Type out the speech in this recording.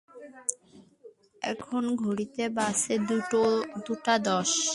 এখন ঘড়িতে বাজছে দুটা দশ!